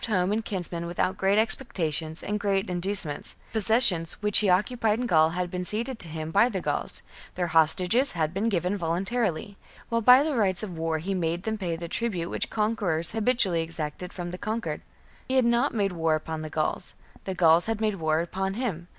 c. home and kinsmen without great expectations and great inducements ; the possessions which he occupied in Gaul had been ceded to him by Gauls ; their hostages had been given volun tarily ; while by the rights of war he made them pay the tribute which conquerors habitually exacted from the conquered. He had not made war upon the Gauls ; the Gauls had made war upon him.